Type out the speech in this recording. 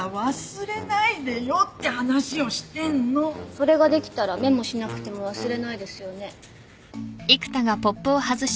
それができたらメモしなくても忘れないですよね。